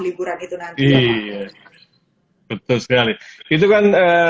liburan itu nanti ya pak betul sekali itu kan